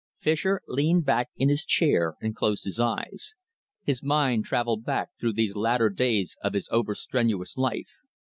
Fischer leaned back in his chair and closed his eyes. His mind travelled back through these latter days of his over strenuous life.